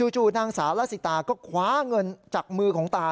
นางสาวละสิตาก็คว้าเงินจากมือของตา